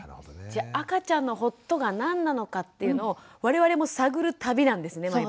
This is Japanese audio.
じゃあ赤ちゃんのほっとが何なのかっていうのを我々も探る旅なんですね